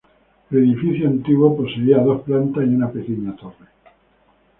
El edificio antiguo poseía dos plantas y una pequeña torre.